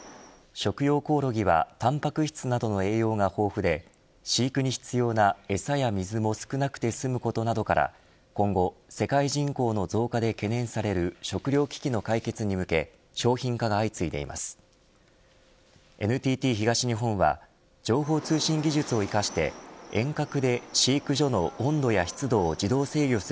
食用コオロギはタンパク質などの栄養が豊富で飼育に必要な餌や水も少なくて済むことなどから今後、世界人口の増加で懸念される食糧危機の解決に向け商品化が相次いでいます。